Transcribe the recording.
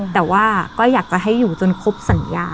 แต่ว่าก็อยากจะให้อยู่จนครบสัญญา